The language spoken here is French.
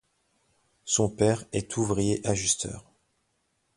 Son père est ouvrier ajusteur.